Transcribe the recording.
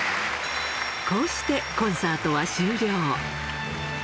こうしてコンサートは終了。